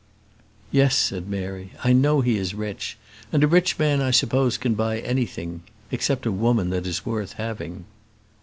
"Yes," said Mary, "I know he is rich; and a rich man I suppose can buy anything except a woman that is worth having."